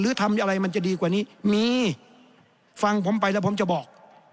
หรือทำอะไรมันจะดีกว่านี้มีฟังผมไปแล้วผมจะบอก